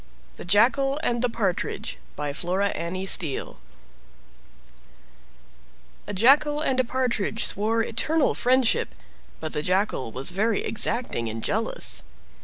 THE JACKAL AND THE PARTRIDGE By Flora Annie Steel A jackal and a partridge swore eternal friendship; but the Jackal was very exacting and jealous.